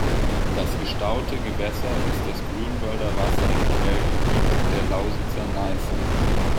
Das gestaute Gewässer ist das Grünwalder Wasser im Quellgebiet der Lausitzer Neiße.